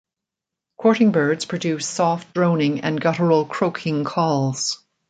Courting birds produce soft droning and guttural croaking calls.